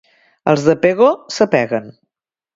Els de Pego s'apeguen.